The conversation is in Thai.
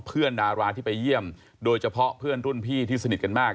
ดาราที่ไปเยี่ยมโดยเฉพาะเพื่อนรุ่นพี่ที่สนิทกันมาก